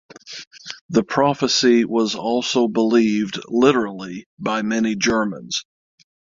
The prophecy was also believed literally by many Germans.